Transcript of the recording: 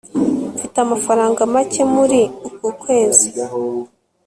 mfite amafaranga make muri uku kwezi